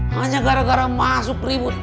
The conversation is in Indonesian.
hanya gara gara masuk ribut